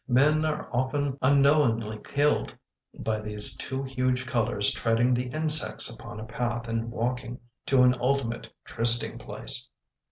Men are often unknowingly killed by these two huge colours treading the insects upon a path and walking to an ultimate trysting place.